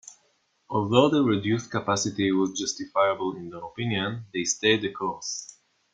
Although the reduced capacity was justifiable in their opinion, they stayed the course.